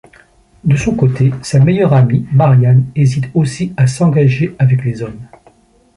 De son côté, sa meilleure amie, Marianne hésite aussi à s’engager avec les hommes.